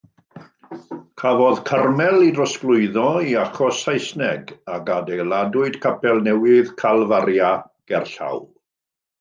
Cafodd Carmel ei drosglwyddo i achos Saesneg ac adeiladwyd capel newydd, Calfaria, gerllaw.